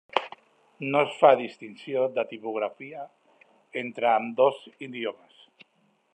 No es fa distinció de tipografia entre ambdós idiomes.